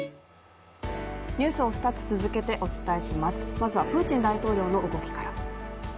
まずはプーチン大統領の動きから。